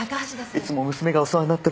いつも娘がお世話になっております。